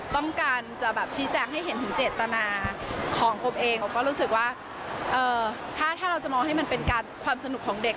ถ้าเราจะมองให้มันเป็นการความสนุกของเด็ก